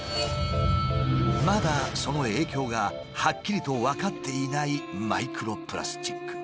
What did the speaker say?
まだその影響がはっきりと分かっていないマイクロプラスチック。